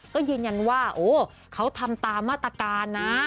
ก็ยืนยันว่าโอ้เขาทำตามมาตรการนะ